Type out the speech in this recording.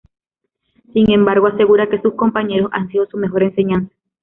Sin embargo, asegura que sus compañeros han sido su mejor enseñanza.